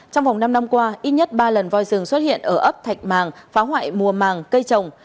trong vòng năm năm qua ít nhất ba lần voi rừng xuất hiện ở ấp thạch màng phá hoại mùa màng cây trồng